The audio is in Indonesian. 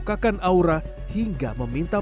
ketika butuh aja gitu